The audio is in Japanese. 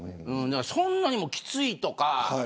そんなにきついとか。